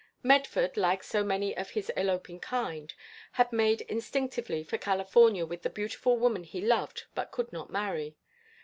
Medford, like so many of his eloping kind, had made instinctively for California with the beautiful woman he loved but could not marry.